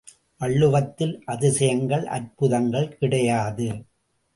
வள்ளுவத்தில் அதிசயங்கள் அற்புதங்கள் கிடையாது.